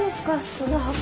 その箱。